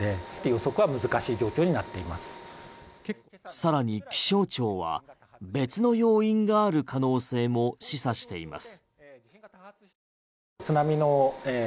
更に気象庁は別の要因がある可能性も示唆しています。